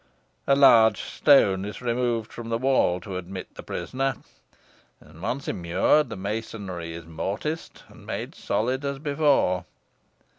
A large stone is removed from the wall to admit the prisoner, and once immured, the masonry is mortised, and made solid as before.